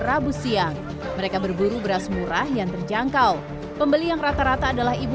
rabu siang mereka berburu beras murah yang terjangkau pembeli yang rata rata adalah ibu